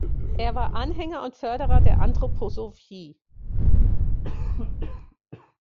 Er war Anhänger und Förderer der Anthroposophie.